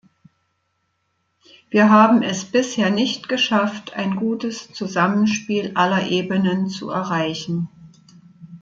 Wir haben es bisher nicht geschafft, ein gutes Zusammenspiel aller Ebenen zu erreichen.